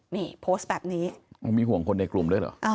นี่โพสต์แบบนี้โอ้มีห่วงคนในกลุ่มด้วยเหรอ